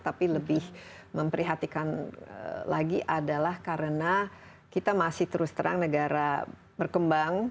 tapi lebih memprihatikan lagi adalah karena kita masih terus terang negara berkembang